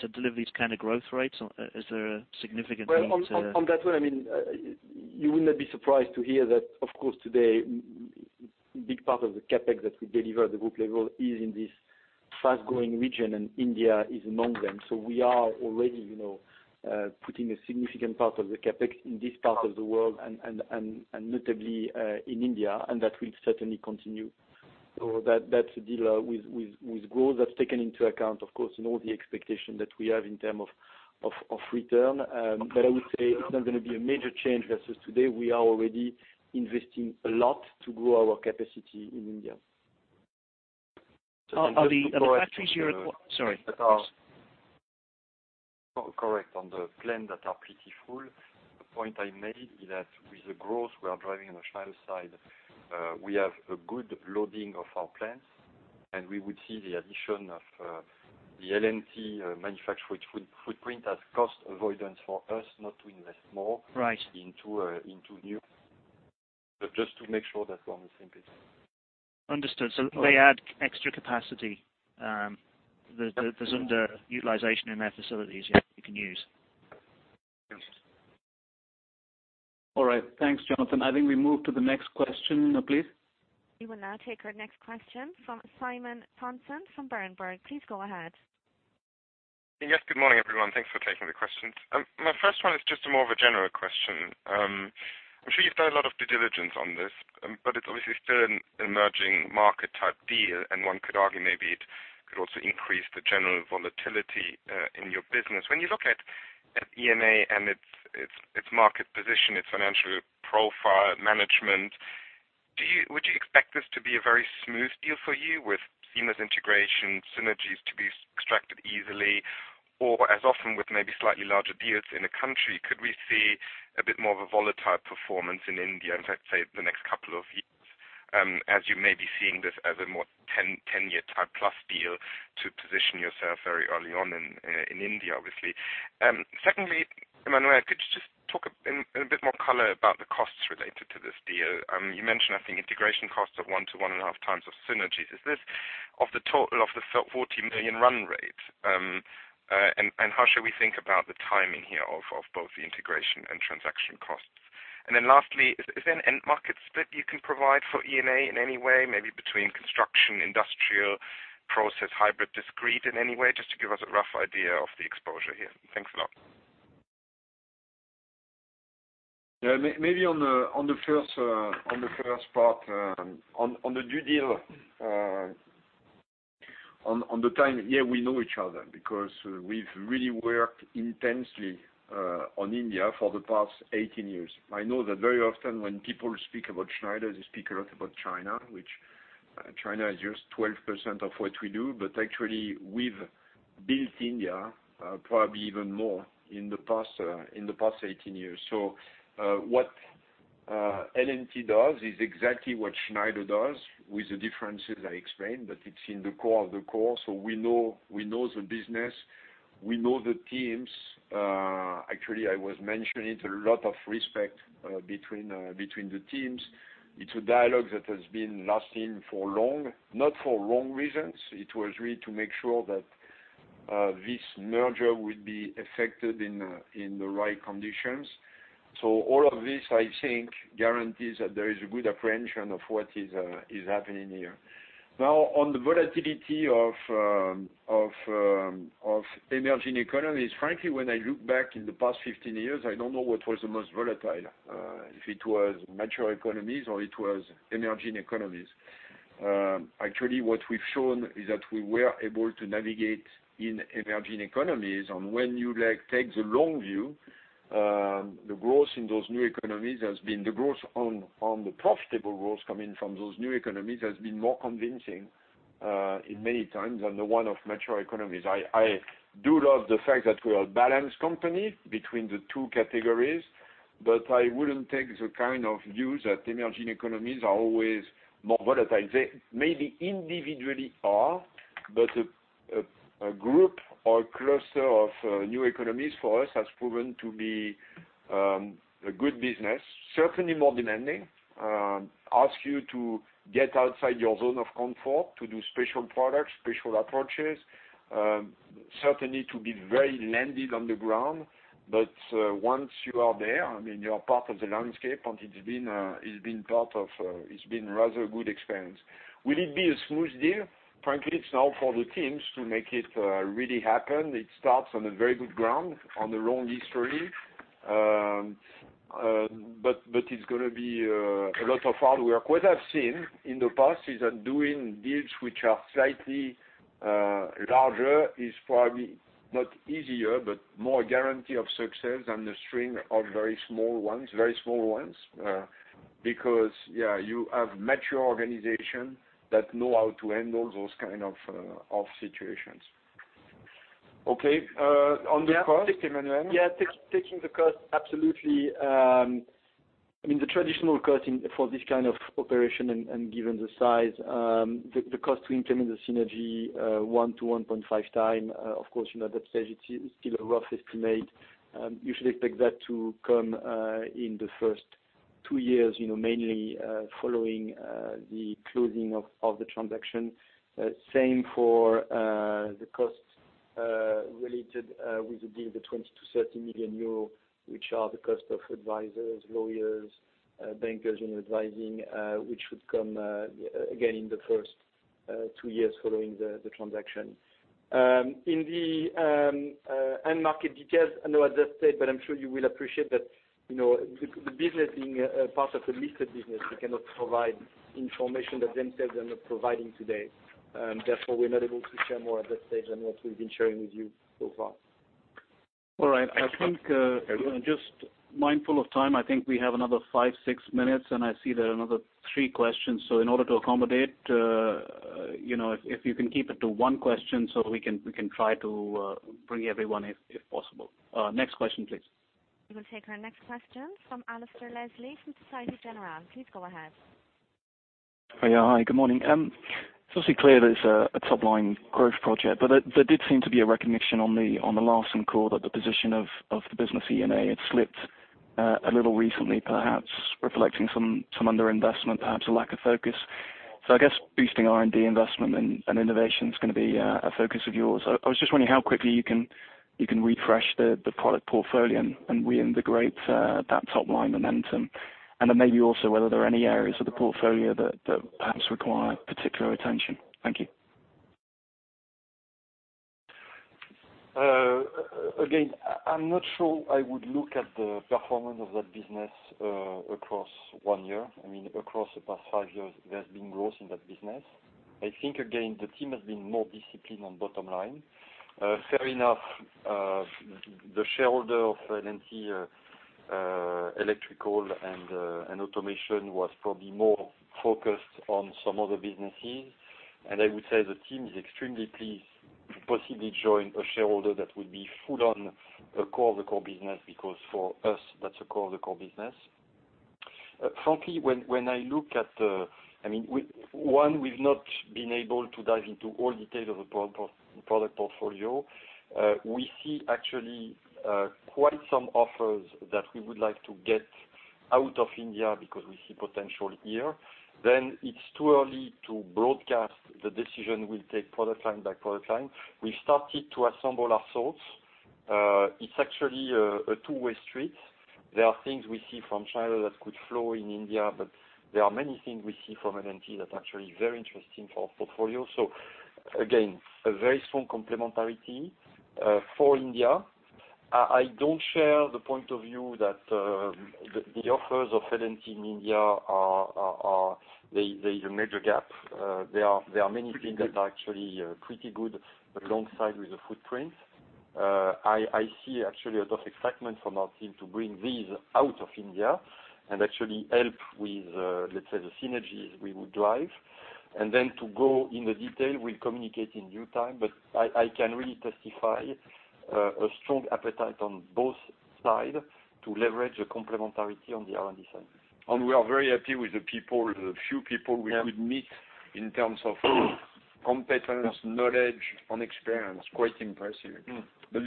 To deliver these kind of growth rates, is there a significant need to On that one, you will not be surprised to hear that, of course, today a big part of the CapEx that we deliver at the group level is in this fast-growing region, and India is among them. We are already putting a significant part of the CapEx in this part of the world and notably in India, and that will certainly continue. That's a deal with growth that's taken into account, of course, in all the expectation that we have in term of return. I would say it's not going to be a major change versus today. We are already investing a lot to grow our capacity in India. Are the factories here? Sorry. Correct. On the plants that are pretty full, the point I made is that with the growth we are driving on the Schneider side, we have a good loading of our plants, and we would see the addition of the L&T manufactured footprint as cost avoidance for us not to invest more. Right into new. Just to make sure that we're on the same page. Understood. They add extra capacity. There's underutilization in their facilities you can use. Yes. All right. Thanks, Jonathan. I think we move to the next question please. We will now take our next question from Simon Toennessen from Berenberg. Please go ahead. Yes, good morning, everyone. Thanks for taking the questions. My first one is just more of a general question. I'm sure you've done a lot of due diligence on this, but it's obviously still an emerging market type deal, and one could argue maybe it could also increase the general volatility in your business. When you look at E&A and its market position, its financial profile, management, would you expect this to be a very smooth deal for you with seamless integration synergies to be extracted easily? As often with maybe slightly larger deals in a country, could we see a bit more of a volatile performance in India, let's say, the next couple of years, as you may be seeing this as a more 10-year type plus deal to position yourself very early on in India, obviously. Secondly, Emmanuel, could you just talk in a bit more color about the costs related to this deal? You mentioned, I think, integration costs of 1 to 1.5 times of synergies. Is this of the total of the 40 million run rate? How should we think about the timing here of both the integration and transaction costs? Lastly, is there an end market split you can provide for E&A in any way, maybe between construction, industrial, process, hybrid, discrete in any way, just to give us a rough idea of the exposure here. Thanks a lot. Maybe on the first part, on the due deal On the time, we know each other because we've really worked intensely on India for the past 18 years. I know that very often when people speak about Schneider, they speak a lot about China, which China is just 12% of what we do, but actually, we've built India, probably even more in the past 18 years. What L&T does is exactly what Schneider does with the differences I explained, that it's in the core of the core. We know the business. We know the teams. Actually, I was mentioning it, a lot of respect between the teams. It's a dialogue that has been lasting for long, not for wrong reasons. It was really to make sure that this merger would be effected in the right conditions. All of this, I think, guarantees that there is a good apprehension of what is happening here. Now, on the volatility of emerging economies, frankly, when I look back in the past 15 years, I don't know what was the most volatile, if it was mature economies or it was emerging economies. Actually, what we've shown is that we were able to navigate in emerging economies, when you take the long view, the growth in those new economies has been the growth on the profitable growth coming from those new economies, has been more convincing in many times than the one of mature economies. I do love the fact that we are a balanced company between the two categories, I wouldn't take the kind of view that emerging economies are always more volatile. They may be individually are, a group or a cluster of new economies for us has proven to be a good business, certainly more demanding, asks you to get outside your zone of comfort to do special products, special approaches, certainly to be very landed on the ground. Once you are there, you are part of the landscape, it's been rather a good experience. Will it be a smooth deal? Frankly, it's now for the teams to make it really happen. It starts on a very good ground, on the long history. It's going to be a lot of hard work. What I've seen in the past is that doing deals which are slightly larger is probably not easier, but more guarantee of success than the string of very small ones, because you have mature organization that know how to handle those kind of situations. Okay. On the cost, Emmanuel? Yeah, taking the cost, absolutely. The traditional costing for this kind of operation and given the size, the cost to implement the synergy, 1 to 1.5 time. Of course, at that stage, it's still a rough estimate. You should expect that to come in the first two years, mainly following the closing of the transaction. Same for the costs related with the deal, the 20 million to 30 million euro, which are the cost of advisors, lawyers, bankers in advising, which would come again in the first two years following the transaction. In the end market details, I know I just said, but I'm sure you will appreciate that the business being a part of the listed business, we cannot provide information that themselves are not providing today. Therefore, we're not able to share more at that stage than what we've been sharing with you so far. All right. I think just mindful of time, I think we have another five, six minutes, and I see there are another three questions. In order to accommodate, if you can keep it to one question so we can try to bring everyone if possible. Next question, please. We will take our next question from Alasdair Leslie from Societe Generale. Please go ahead. Hi. Good morning. It's obviously clear there's a top-line growth project, but there did seem to be a recognition on the last call that the position of the business E&A had slipped a little recently, perhaps reflecting some under-investment, perhaps a lack of focus. I guess boosting R&D investment and innovation is going to be a focus of yours. I was just wondering how quickly you can refresh the product portfolio and reintegrate that top line momentum. Maybe also whether there are any areas of the portfolio that perhaps require particular attention. Thank you. I'm not sure I would look at the performance of that business across one year. Across the past five years, there's been growth in that business. The team has been more disciplined on bottom line. Fair enough, the shareholder of L&T Electrical and Automation was probably more focused on some other businesses. I would say the team is extremely pleased to possibly join a shareholder that would be full on the core of the core business, because for us, that's the core of the core business. Frankly, when I look at the one, we've not been able to dive into all detail of the product portfolio. We see actually quite some offers that we would like to get out of India because we see potential here. It's too early to broadcast the decision we'll take product line by product line. We started to assemble our thoughts. It's actually a two-way street. There are things we see from China that could flow in India, but there are many things we see from L&T that are actually very interesting for our portfolio. A very strong complementarity for India. I don't share the point of view that the offers of L&T in India are the major gap. There are many things that are actually pretty good alongside with the footprint. I see actually a lot of excitement from our team to bring these out of India and actually help with, let's say, the synergies we would drive. To go into detail, we'll communicate in due time, but I can really testify a strong appetite on both sides to leverage the complementarity on the R&D side. We are very happy with the few people we could meet in terms of competence, knowledge, and experience. Quite impressive. This,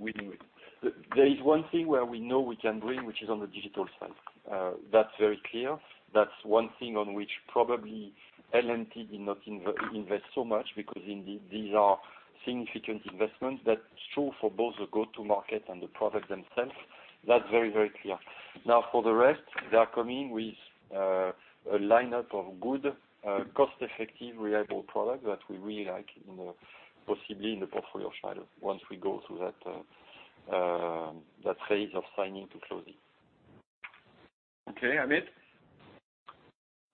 we knew it. There is one thing where we know we can bring, which is on the digital side. That's very clear. That's one thing on which probably L&T did not invest so much because these are significant investments. That's true for both the go-to market and the product themselves. That's very clear. Now, for the rest, they are coming with a lineup of good, cost-effective, reliable product that we really like, possibly in the portfolio of Schneider, once we go through that phase of signing to closing. Okay, Amit.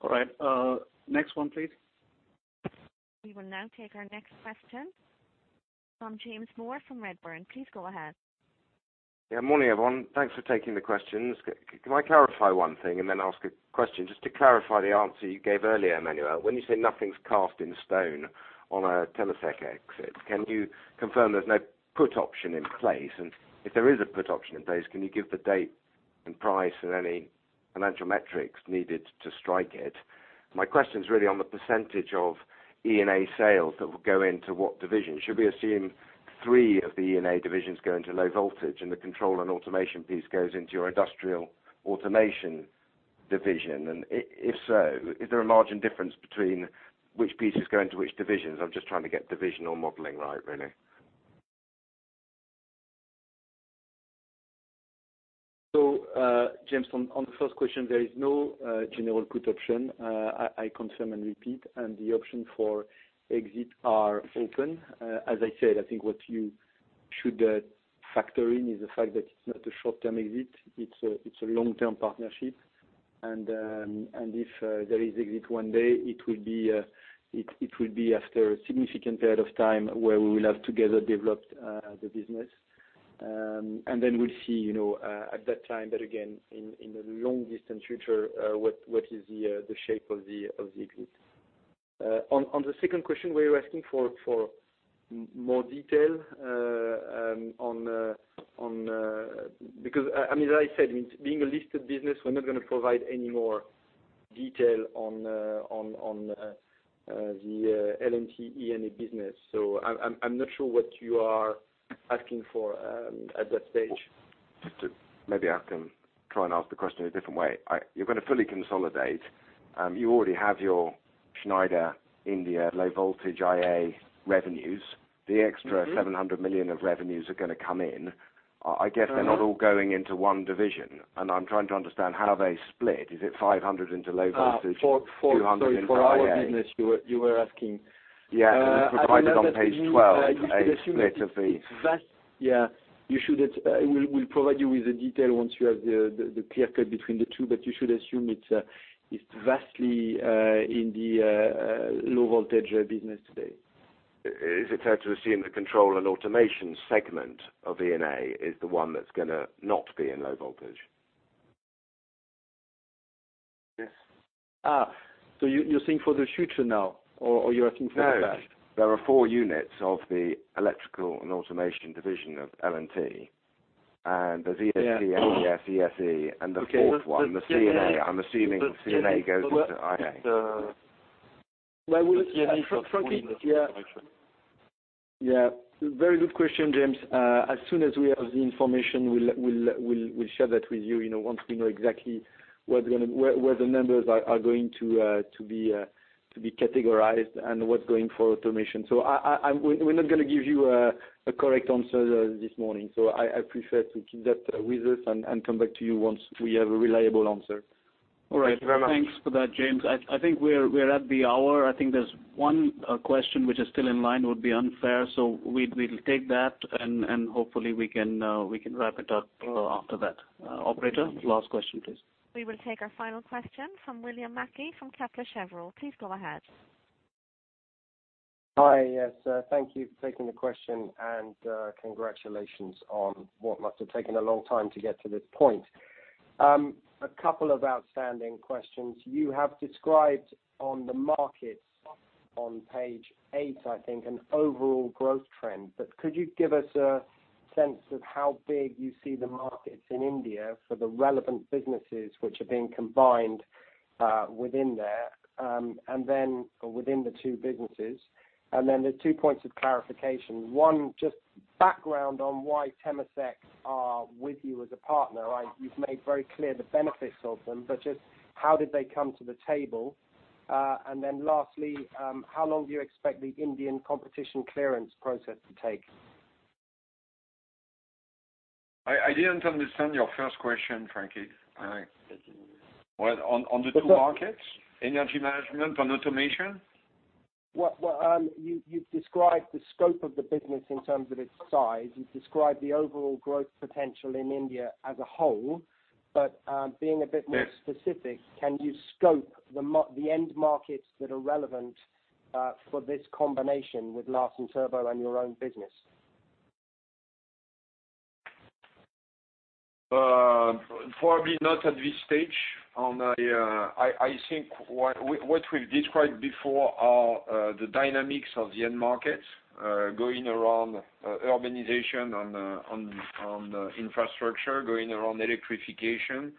All right. Next one, please. We will now take our next question from James Moore from Redburn. Please go ahead. Yeah, morning everyone. Thanks for taking the questions. Can I clarify one thing and then ask a question? Just to clarify the answer you gave earlier, Emmanuel, when you say nothing's cast in stone on a Temasek exit, can you confirm there's no put option in place? If there is a put option in place, can you give the date and price and any financial metrics needed to strike it? My question is really on the percentage of E&A sales that will go into what division. Should we assume three of the E&A divisions go into low voltage and the control and automation piece goes into your industrial automation division? If so, is there a margin difference between which pieces go into which divisions? I'm just trying to get divisional modeling right, really. James, on the first question, there is no general put option, I confirm and repeat, and the option for exit are open. As I said, I think what you should factor in is the fact that it's not a short-term exit. It's a long-term partnership, and if there is exit one day, it will be after a significant period of time where we will have together developed the business. Then we'll see at that time, but again, in the long distance future, what is the shape of the exit. On the second question, where you're asking for more detail because, as I said, being a listed business, we're not going to provide any more detail on the L&T E&A business. I'm not sure what you are asking for at that stage. Maybe I can try and ask the question a different way. You're going to fully consolidate. You already have your Schneider India low voltage IA revenues. The extra 700 million of revenues are going to come in. I guess they're not all going into one division, and I'm trying to understand how they split. Is it 500 into low voltage? Ah. For- 200 into IA? Sorry, for our business, you were asking. Yeah, it was provided on page 12. I would love that you should assume it's vast. Yeah. We'll provide you with the detail once you have the clear cut between the two, but you should assume it's vastly in the low voltage business today. Is it fair to assume the control and automation segment of E&A is the one that's going to not be in low voltage? Yes. You're saying for the future now, or you're asking for the past? No. There are four units of the electrical and automation division of L&T, and there's ESP, [inaudible] ESE, and the fourth one, the C&A. I'm assuming C&A goes into IA. Well, Frankly, yeah. Yeah. Very good question, James. As soon as we have the information, we'll share that with you once we know exactly where the numbers are going to be categorized and what's going for automation. We're not going to give you a correct answer this morning. I prefer to keep that with us and come back to you once we have a reliable answer. All right. Thank you very much. Thanks for that, James. I think we're at the hour. I think there's one question which is still in line, would be unfair, so we'll take that, and hopefully, we can wrap it up after that. Operator, last question, please. We will take our final question from William Mackie from Kepler Cheuvreux. Please go ahead. Hi, yes. Thank you for taking the question and congratulations on what must have taken a long time to get to this point. A couple of outstanding questions. You have described on the markets on page eight, I think, an overall growth trend. Could you give us a sense of how big you see the markets in India for the relevant businesses which are being combined within there, then within the two businesses? There are two points of clarification. One, just background on why Temasek are with you as a partner. You've made very clear the benefits of them, just how did they come to the table? Lastly, how long do you expect the Indian competition clearance process to take? I didn't understand your first question, frankly. On the two markets, energy management and automation? You've described the scope of the business in terms of its size. You've described the overall growth potential in India as a whole, being a bit more specific, can you scope the end markets that are relevant for this combination with Larsen & Toubro and your own business? Probably not at this stage. I think what we've described before are the dynamics of the end markets going around urbanization on infrastructure, going around electrification,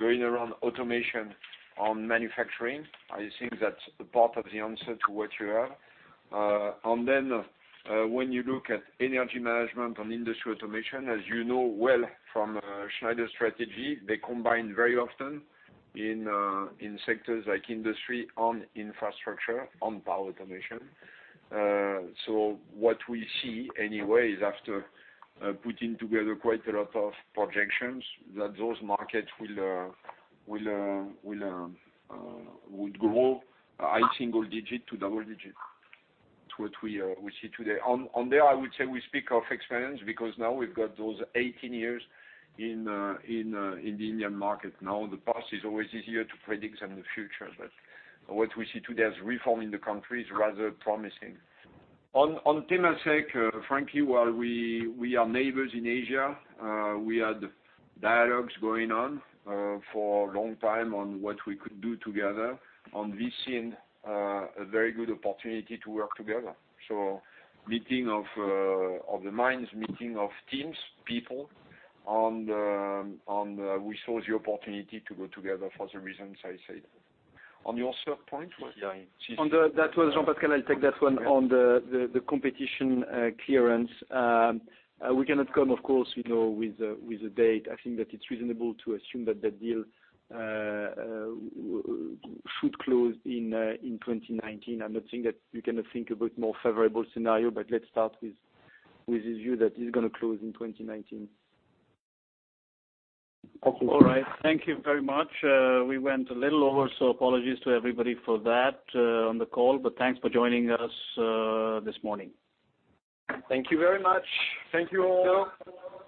going around automation on manufacturing. I think that's part of the answer to what you ask. When you look at energy management and industry automation, as you know well from Schneider Electric strategy, they combine very often in sectors like industry on infrastructure, on power automation. What we see anyway is after putting together quite a lot of projections, that those markets would grow high single digit to double digit to what we see today. There, I would say we speak of experience because now we've got those 18 years in the Indian market. The past is always easier to predict than the future, but what we see today as reform in the country is rather promising. Temasek, frankly, while we are neighbors in Asia, we had dialogues going on for a long time on what we could do together. This end, a very good opportunity to work together. Meeting of the minds, meeting of teams, people, we saw the opportunity to go together for the reasons I said. Your third point, what? That was Jean-Pascal. I'll take that one. The competition clearance. We cannot come, of course, with a date. I think that it's reasonable to assume that the deal should close in 2019. I'm not saying that we cannot think about more favorable scenario, but let's start with this view that it's going to close in 2019. Okay. All right. Thank you very much. We went a little over, apologies to everybody for that on the call, thanks for joining us this morning. Thank you very much. Thank you all.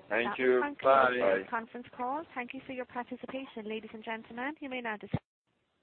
Thank you. Bye. That concludes today's conference call. Thank you for your participation. Ladies and gentlemen, you may now disconnect.